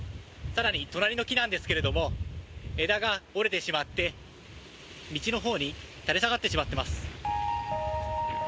更に、隣の木なんですが枝が折れてしまって道のほうに垂れ下がってしまっています。